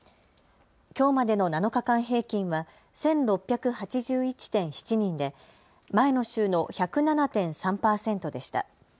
きょうまでの７日間平均は１６８１．７人で前の週の１０７．３％でした。